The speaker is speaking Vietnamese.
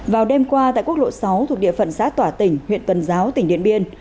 vào đêm qua tại quốc lộ sáu thuộc địa phận xã tỏa tỉnh huyện tuần giáo tỉnh điện biên